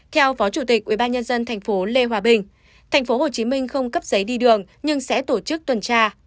theo phó chủ tịch ubnd tp lê hòa bình tp hcm không cấp giấy đi đường nhưng sẽ tổ chức tuần tra